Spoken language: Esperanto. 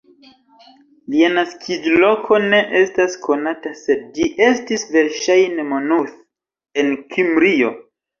Lia naskiĝloko ne estas konata, sed ĝi estis verŝajne Monmouth en Kimrio.